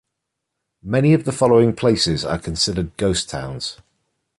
Many of the following places are considered ghost towns.